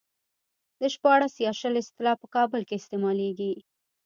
د شپاړس يا شل اصطلاح په کابل کې استعمالېږي.